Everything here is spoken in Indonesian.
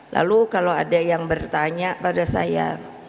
lalu kalau ada yang bertanya pada saya